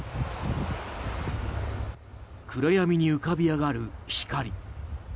暗闇に浮かび上がる光。